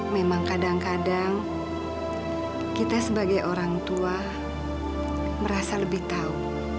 memang kadang kadang kita sebagai orang tua merasa lebih tahu